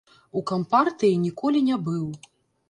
У кампартыі ніколі не быў.